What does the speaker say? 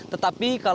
tetapi kalau anda